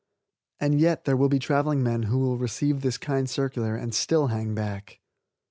And yet there will be traveling men who will receive this kind circular and still hang back.